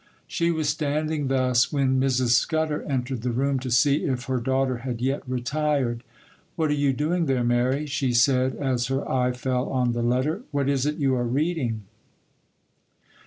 She was standing thus when Mrs. Scudder entered the room to see if her daughter had yet retired. 'What are you doing there, Mary?' she said, as her eye fell on the letter. 'What is it you are reading?